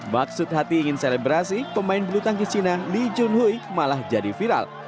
maksud hati ingin selebrasi pemain bulu tangkis cina lee jun hui malah jadi viral